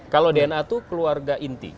kalau dna itu keluarga inti